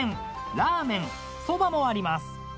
ラーメンそばもあります］